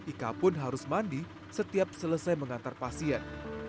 ika pun harus mandi setiap selesai mengantar pasien